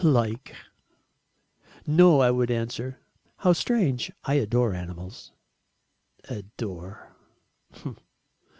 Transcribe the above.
LIKE! "No!" I would answer. "How strange. I adore animals." ADORE!